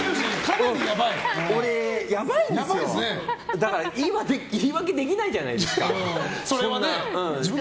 だから、言い訳できないじゃないですか、そんなの。